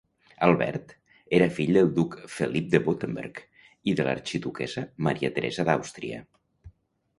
Albert era fill del duc Felip de Württemberg i de l'arxiduquessa Maria Teresa d'Àustria.